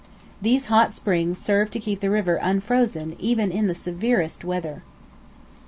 These hot springs serve to keep the river unfrozen even in the severest weather.